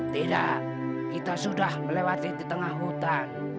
tidak kita sudah melewati di tengah hutan